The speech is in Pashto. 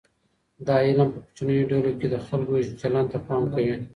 دا علم په کوچنیو ډلو کې د خلګو چلند ته پام کوي.